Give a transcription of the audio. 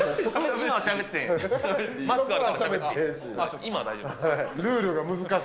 今は大丈夫。